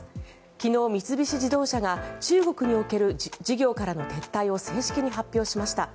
昨日、三菱自動車が中国における事業からの撤退を正式に発表しました。